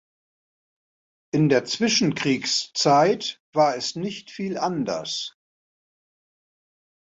In der Zwischenkriegszeit war es nicht viel anders.